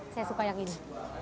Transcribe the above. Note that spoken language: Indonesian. saya suka yang ini